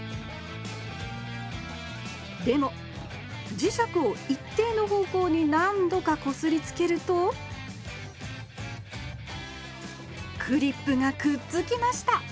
でも磁石を一定の方向に何度かこすりつけるとクリップがくっつきました。